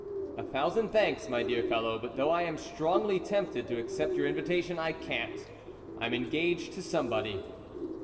"A thousand thanks, my dear fellow; but though I am strongly tempted to accept your invitation, I can't. I am engaged to somebody."